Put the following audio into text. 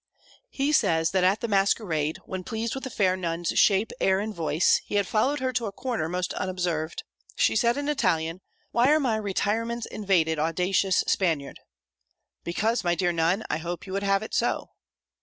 He says, that at the masquerade, when, pleased with the fair Nun's shape, air and voice, he had followed her to a corner most unobserved, she said in Italian, "Why are my retirements invaded, audacious Spaniard?" "Because, my dear Nun, I hope you would have it so."